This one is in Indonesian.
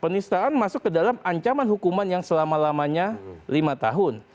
penistaan masuk ke dalam ancaman hukuman yang selama lamanya lima tahun